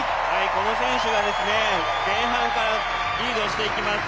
この選手が前半からリードしていきます。